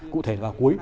cụ thể là cuối